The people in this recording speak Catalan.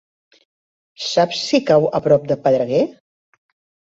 Saps si cau a prop de Pedreguer?